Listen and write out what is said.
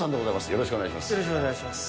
よろしくお願いします。